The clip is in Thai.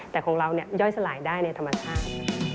แต่ของเราย่อยสลายได้ในธรรมชาติ